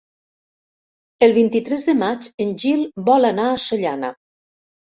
El vint-i-tres de maig en Gil vol anar a Sollana.